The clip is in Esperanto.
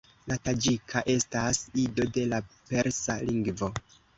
La taĝika estas ido de la persa lingvo.